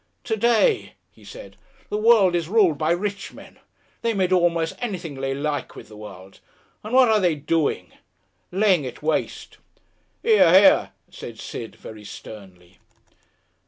"To day," he said, "the world is ruled by rich men; they may do almost anything they like with the world. And what are they doing? Laying it waste!" "Hear, hear!" said Sid, very sternly.